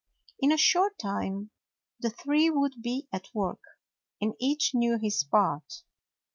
In a short time the three would be at work, and each knew his part.